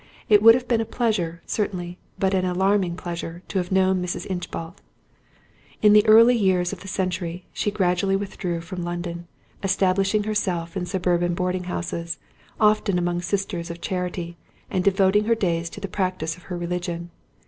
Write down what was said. It would have been a pleasure, certainly, but an alarming pleasure, to have known Mrs. Inchbald. In the early years of the century, she gradually withdrew from London, establishing herself in suburban boarding houses, often among sisters of charity, and devoting her days to the practice of her religion.